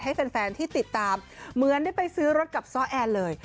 ให้แฟนที่ติดตามเหมือนได้ไปซื้อรถกับซ้อแอนเลย